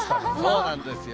そうなんですよ。